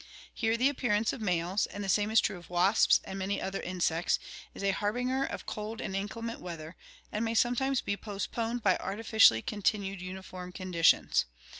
Here the appearance of males — and the same is true of wasps and many other insects — is a harbinger of cold and inclement weather, and may sometimes be postponed by artificially continued uniform conditions.